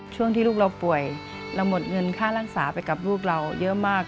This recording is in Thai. ช่วงที่ลูกเราป่วยเราหมดเงินค่ารักษาไปกับลูกเราเยอะมาก